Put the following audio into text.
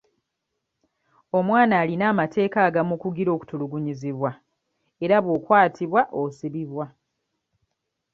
Omwana alina amateeka agamukugira okutulugunyizibwa era bw'okwatibwa osibibwa.